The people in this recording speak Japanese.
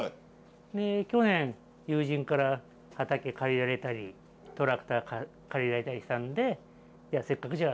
去年友人から畑借りられたりトラクター借りられたりしたんでせっかくじゃあ。